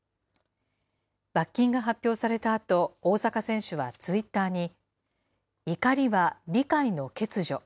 罰金が発表されたあと、大坂選手はツイッターに、怒りは理解の欠如。